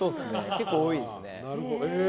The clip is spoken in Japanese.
結構多いですね。